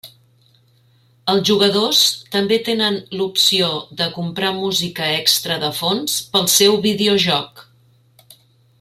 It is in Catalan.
Els jugadors també tenen l'opció de comprar música extra de fons pel seu videojoc.